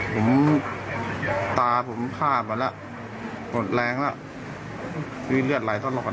ผมตาผมผ้ามาแล้วอดแรงแล้วเนี่ยเลือดไหลตลอดหน่อย